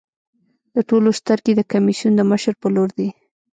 د ټولو سترګې د کمېسیون د مشر په لور دي.